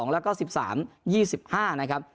๒๕๒๓๒๒๒๕๒๕๒๒แล้วก็๑๓๒๕นะครับ